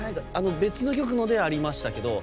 別の局のでありましたけど。